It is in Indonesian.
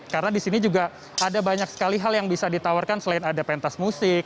karena disini juga ada banyak sekali hal yang bisa ditawarkan selain ada pentas musik